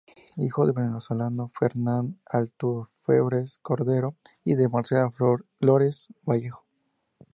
Hijo del venezolano Fernán Altuve-Febres Cordero y de Marcela Lores Vallejo.